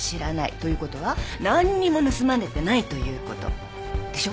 ということは何にも盗まれてないということ。でしょ？